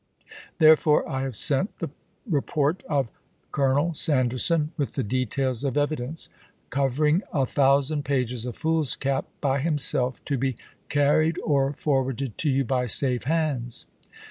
"Therefore, I have sent the report of Colonel Sanderson with the details of evidence, covering a thousand pages of foolscap, by himself, to be car ried or forwarded to you by safe hands.